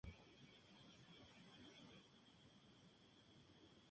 Debido a sus lesiones Ward se retiró.